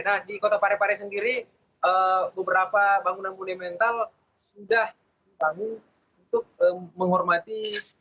nah di kota parepare sendiri beberapa bangunan monumental sudah dibangun untuk menghormati